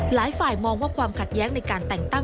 หลายฝ่ายมองว่าความขัดแย้งในการแต่งตั้ง